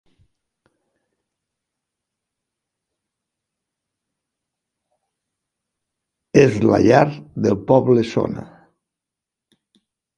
És la llar del poble shona.